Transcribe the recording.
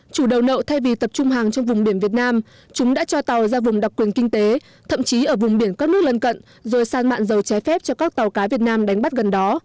chủ đầu nậu thay vì tập trung hàng trong vùng biển việt nam chúng đã cho tàu ra vùng đặc quyền kinh tế thậm chí ở vùng biển các nước lân cận rồi san mạn dầu trái phép cho các tàu cá việt nam đánh bắt gần đó